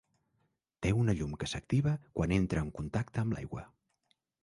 Té una llum que s'activa quan entra en contacte amb l'aigua.